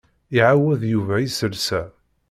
Iɛawed Yuba iselsa.